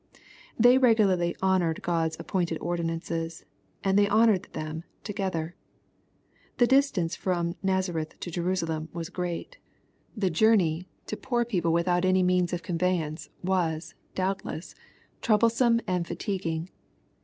They regularly honored God's appointed ordinances, and they honored them together. The distance from Nazareth to Jerusalem was great. The journey, to poor LUKE, CHAP. II. ^ 79 people without any means of conveyance, wm, doubtless, troublesome and fatiguing.